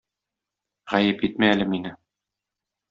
Гаеп итмә әле мине